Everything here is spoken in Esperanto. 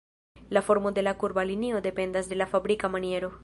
La formo de la kurba linio dependas de la fabrika maniero.